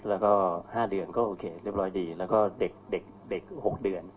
แล้วก็ห้าเดือนก็โอเคเรียบร้อยดีแล้วก็เด็กเด็กเด็กหกเดือน